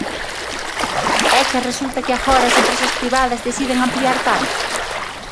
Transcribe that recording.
¿É que resulta que agora as empresas privadas deciden ampliar camas?